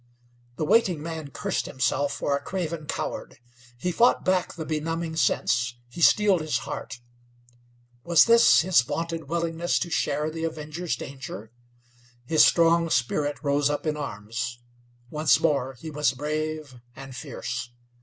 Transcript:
The waiting man cursed himself for a craven coward; he fought back the benumbing sense; he steeled his heart. Was this his vaunted willingness to share the Avenger's danger? His strong spirit rose up in arms; once more he was brave and fierce.